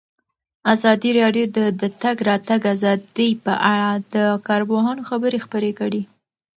ازادي راډیو د د تګ راتګ ازادي په اړه د کارپوهانو خبرې خپرې کړي.